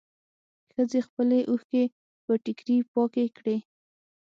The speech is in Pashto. ښځې خپلې اوښکې په ټيکري پاکې کړې.